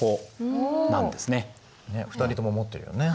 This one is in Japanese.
２人とも持ってるよね。